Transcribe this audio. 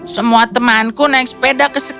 semua temanku naik sepeda kesekian